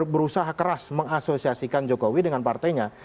berusaha keras mengasosiasikan jokowi dengan partainya